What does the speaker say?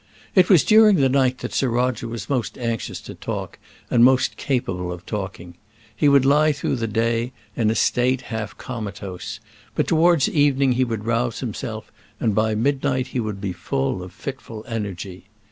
It was during the night that Sir Roger was most anxious to talk, and most capable of talking. He would lie through the day in a state half comatose; but towards evening he would rouse himself, and by midnight he would be full of fitful energy.